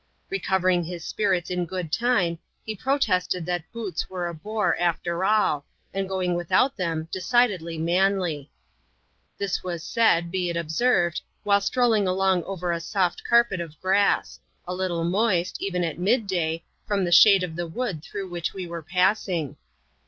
Recoyering his spirits in good time, he protested that boots were a bore a£ter all, ajid going without them decidedly manly^ This was s^id, be it observed, while strolling along overs soft carpet of grass ; a little moist, even at midday, from Ihe shade of the wood through which we were passing.